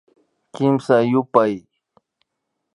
Kimsa yupay